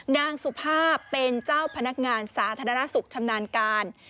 นางสุภาพเป็นเจ้าพนักงานสาธารณสุขชำนาญการ